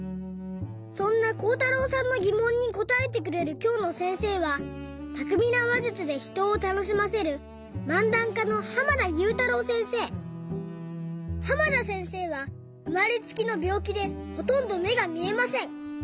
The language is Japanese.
そんなこうたろうさんのぎもんにこたえてくれるきょうのせんせいはたくみなわじゅつでひとをたのしませる濱田せんせいはうまれつきのびょうきでほとんどめがみえません。